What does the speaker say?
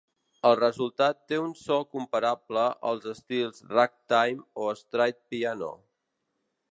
El resultat té un so comparable als estils ragtime o stride piano.